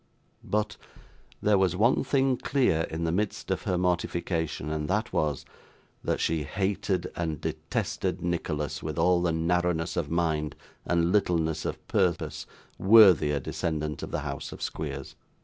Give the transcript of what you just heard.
But, there was one thing clear in the midst of her mortification; and that was, that she hated and detested Nicholas with all the narrowness of mind and littleness of purpose worthy a descendant of the house of Squeers.